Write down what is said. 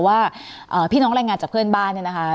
ว่าพี่น้องรายงานจากเพื่อนบ้านเนี่ยนะคะ